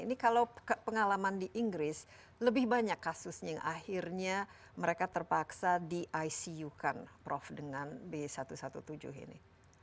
ini kalau pengalaman di inggris lebih banyak kasusnya yang akhirnya mereka terpaksa di icu kan prof dengan b satu ratus tujuh belas ini